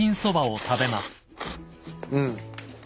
うん。